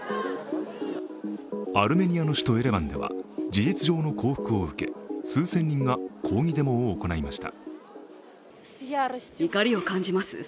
アルメニアの首都・エレバンでは事実上の幸福を受け数千人が抗議デモを行いました。